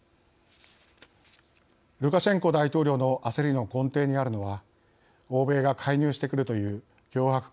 ルカシェンコ大統領の焦りの根底にあるのは欧米が介入してくるという強迫観念です。